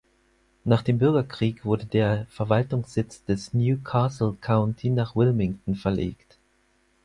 Nach dem Bürgerkrieg wurde der Verwaltungssitz des New Castle County nach Wilmington verlegt.